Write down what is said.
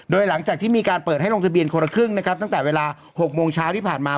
โดยหลังจากที่มีการเปิดให้ลงทะเบียนคนละครึ่งนะครับตั้งแต่เวลา๖โมงเช้าที่ผ่านมา